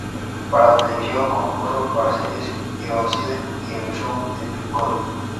Para televisión compuso para series como "Ironside" y "El show de Bill Cosby".